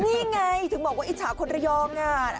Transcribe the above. นี่ไงถึงบอกว่าอิจฉาคนระยอง